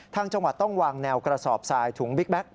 จังหวัดต้องวางแนวกระสอบทรายถุงบิ๊กแก๊ก